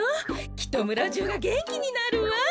きっとむらじゅうがげんきになるわ。